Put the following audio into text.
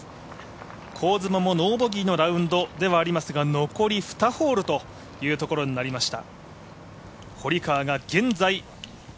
香妻もノーボギーのラウンドではありますが、残り２ホールというところになりました。